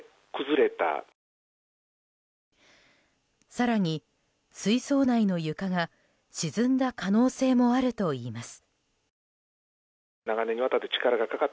更に水槽内の床が沈んだ可能性もあるといいます。